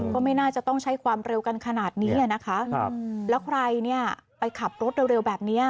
ก็ไม่น่าจะต้องใช้ความเร็วกันขนาดนี้อ่ะนะคะครับแล้วใครเนี่ยไปขับรถเร็วแบบเนี้ย